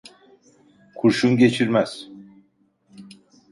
Kurşun geçirmez.